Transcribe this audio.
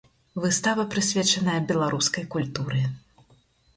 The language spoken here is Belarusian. Выстава прысвечаная беларускай культуры.